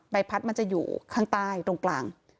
พัดมันจะอยู่ข้างใต้ตรงกลาง